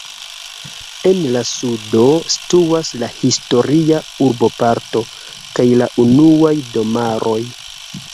En la sudo situas la historia urboparto kaj la unuaj domaroj.